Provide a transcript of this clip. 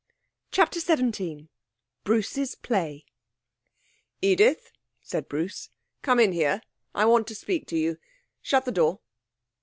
CHAPTER XVII Bruce's Play 'Edith,' said Bruce, 'come in here. I want to speak to you. Shut the door.'